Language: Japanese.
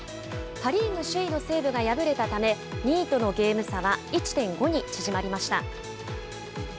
パ・リーグ首位の西武が敗れたため、２位とのゲーム差は１．５に縮まりました。